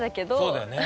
そうだよね。